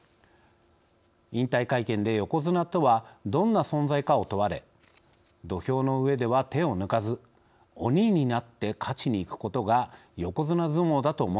引退会見で「横綱とはどんな存在か」を問われ「土俵の上では手を抜かず鬼になって勝ちにいくことが横綱相撲だと思っていた。